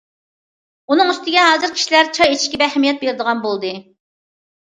ئۇنىڭ ئۈستىگە، ھازىر كىشىلەر چاي ئىچىشكە بەك ئەھمىيەت بېرىدىغان بولدى.